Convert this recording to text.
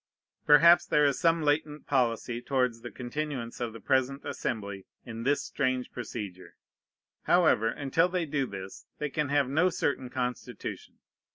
Perhaps there is some latent policy towards the continuance of the present Assembly in this strange procedure. However, until they do this, they can have no certain constitution.